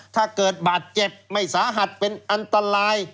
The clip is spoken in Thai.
ถ้าเกิดบาดเจ็บไม่สาหัสเป็นอันตราย